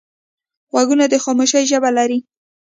غوږونه د خاموشۍ ژبه لري